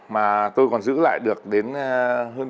mà tôi còn giữ lại được đến hơn bốn mươi năm